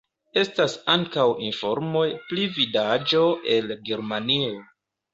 Estas ankaŭ informoj pri vidaĵo el Germanio.